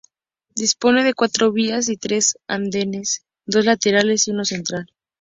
Dispone de cuatro vías y tres andenes, dos laterales y uno central.